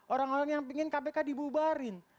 orang orang yang ingin kpk dibubarin